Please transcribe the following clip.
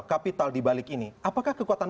kapital dibalik ini apakah kekuatan